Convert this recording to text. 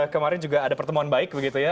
kemarin juga ada pertemuan baik begitu ya